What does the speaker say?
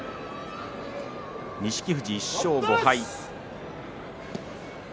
錦富士、１勝５敗。